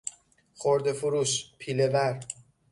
خردهفروش، پیلهور